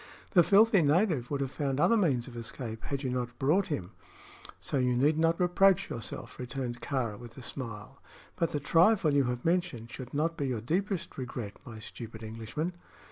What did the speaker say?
"The filthy native would have found other means of escape had you not brought him; so you need not reproach yourself," returned Kāra, with a smile. "But the trifle you have mentioned should not be your deepest regret, my stupid Englishman!"